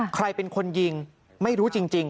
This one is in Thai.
ใครเป็นคนยิงไม่รู้จริง